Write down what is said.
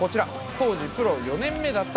当時プロ４年目だった。